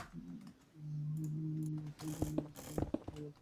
তিনি বিভিন্ন ইসলামী মাসআলা মাসায়েলের জবাব দিতেন।